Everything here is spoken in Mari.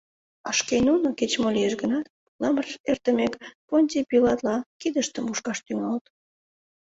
А шке нуно, кеч-мо лиеш гынат, пуламыр эртымек, Понтий Пилатла кидыштым мушкаш тӱҥалыт.